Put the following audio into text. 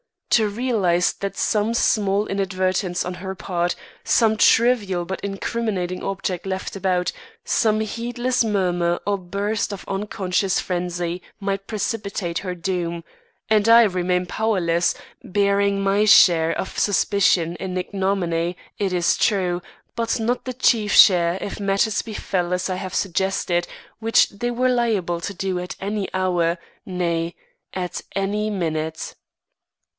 To realise that some small inadvertance on her part, some trivial but incriminating object left about, some heedless murmur or burst of unconscious frenzy might precipitate her doom, and I remain powerless, bearing my share of suspicion and ignominy, it is true, but not the chief share if matters befell as I have suggested, which they were liable to do at any hour, nay, at any minute.